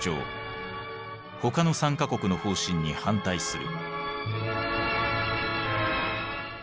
他の３か国の方針に反対する。